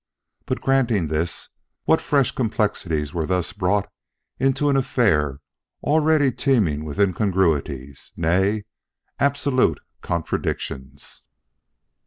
But granting this, what fresh complexities were thus brought into an affair already teeming with incongruities nay, absolute contradictions.